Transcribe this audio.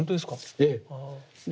ええ。